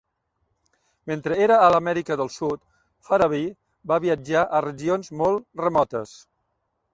Mentre era a l'Amèrica del Sud, Farabee va viatjar a regions molt remotes.